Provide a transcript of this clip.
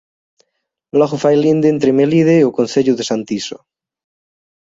Logo fai linde entre Melide e o concello de Santiso.